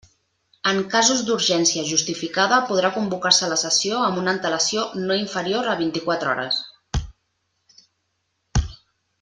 En casos d'urgència justificada podrà convocar-se la sessió amb una antelació no inferior a vint-i-quatre hores.